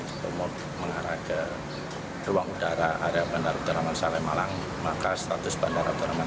sebelum penutupan bandara penutupan berlangsung mulai jumat pukul sebelas siang hingga sabtu pukul sebelas siang